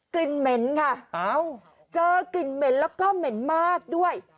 เหม็นค่ะเจอกลิ่นเหม็นแล้วก็เหม็นมากด้วย